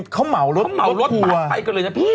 เขาเหมารถทัวร์ไปกันเลยนะพี่